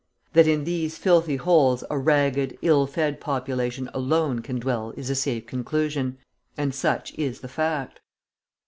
That in these filthy holes a ragged, ill fed population alone can dwell is a safe conclusion, and such is the fact.